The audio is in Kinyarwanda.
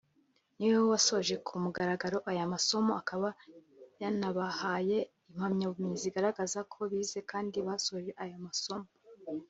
ni we wasoje ku mugaragaro aya masomo akaba yanabahaye impamyabumenyi zigaragaza ko bize kandi basoje ayo masomo